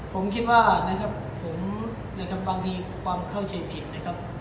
ผมคิดว่านะครับผมนะครับบางทีความเข้าใจผิดนะครับ